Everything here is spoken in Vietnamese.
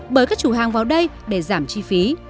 bởi các chủ hàng vào đây để giảm chi phí